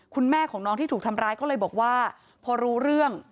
คุณแม่ของน้องที่ถูกทำร้ายก็เลยบอกว่าพอรู้เรื่อง